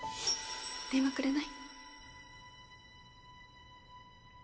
電話くれない？